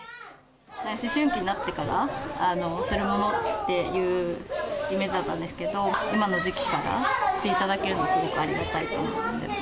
思春期になってからするものっていうイメージだったんですけど、今の時期からしていただけるのはすごくありがたい。